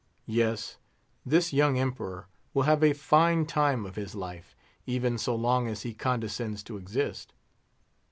Yes: this young Emperor will have a fine time of this life, even so long as he condescends to exist.